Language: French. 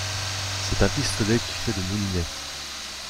C’est un pistolet qui fait le moulinet.